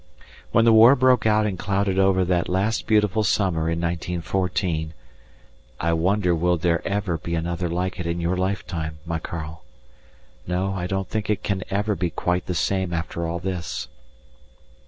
When the war broke out and clouded over that last beautiful summer in 1914 (I wonder will there ever be another like it in your lifetime, my Karl? No, I don't think it can ever be quite the same after all this!)